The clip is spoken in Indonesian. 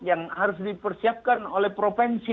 yang harus dipersiapkan oleh provinsi